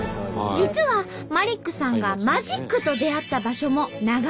実はマリックさんがマジックと出会った場所も長良川。